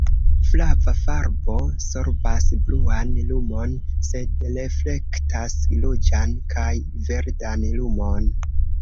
Flava farbo sorbas bluan lumon, sed reflektas ruĝan kaj verdan lumon.